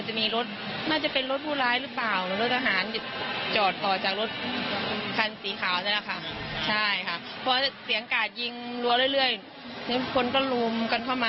มันจะมีรถน่าจะเป็นรถปูร้ายหรือเปล่าหรือรถอาหารจอดต่อจากรถทันสีขาวนั่นแหละค่ะ